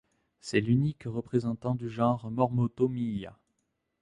C'est l'unique représentant du genre Mormotomyia.